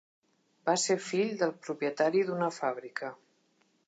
Va ser fill del propietari d'una fàbrica.